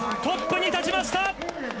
トップに立ちました。